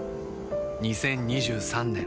２０２３年